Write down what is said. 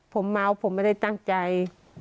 ผมเมาผมไม่ได้ตั้งใจ